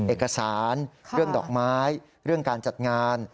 เอกสารเรื่องดอกไม้เรื่องการจัดงาน